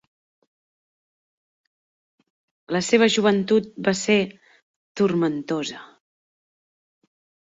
La seva joventut va ser turmentosa.